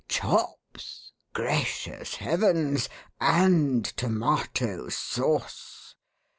Chops! Gracious Heavens! and Tomato Sauce.